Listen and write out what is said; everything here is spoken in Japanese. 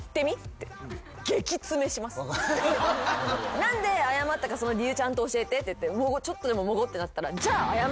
何で謝ったかその理由ちゃんと教えてって言ってちょっとでももごってなったら。